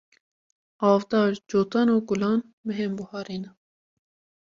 Avdar, Cotan û Gulan mehên buharê ne.